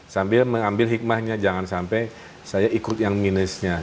sambil mengambil hikmahnya jangan sampai saya ikut yang minusnya